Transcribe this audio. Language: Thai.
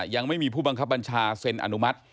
ยังไม่มีผู้บังคับบัญชาเซ็นอนุมัติ